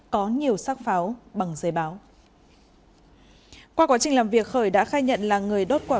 có nhiều sắc pháo bằng giấy báo qua quá trình làm việc khởi đã khai nhận là người đốt quả